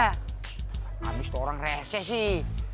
habis tuh orang rese sih